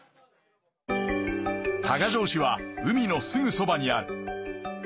多賀城市は海のすぐそばにある。